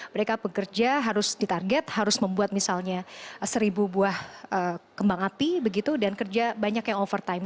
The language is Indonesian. mereka bekerja harus ditarget harus membuat misalnya seribu buah gembang api begitu dan kerja banyak yang overtime